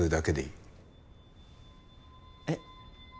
えっ？